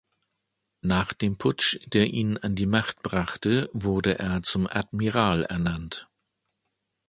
Nach dem Putsch, der ihn an die Macht brachte, wurde er zum Admiral ernannt.